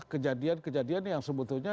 kejadian kejadian yang sebetulnya